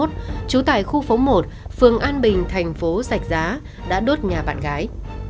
trú tại khu phố một phường an bình thành phố sạch giá đã đốt nhà bạn gái